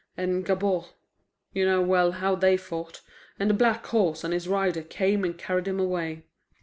And Gabord you know well how they fought, and the black horse and his rider came and carried him away.